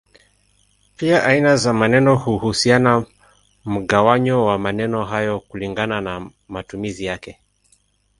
Pia aina za maneno huhusisha mgawanyo wa maneno hayo kulingana na matumizi yake.